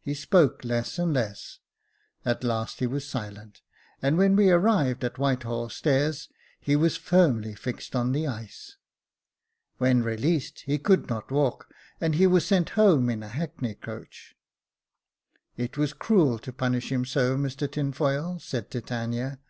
He spoke less and less ; at last he was silent, and when we arrived at Whitehall stairs, he was firmly fixed on the ice. When released he could not walk, and he was sent home in a hackney coach. " It was cruel to punish him so, Mr Tinfoil," said Titania.